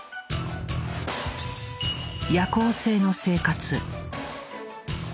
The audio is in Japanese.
夜行性の生活。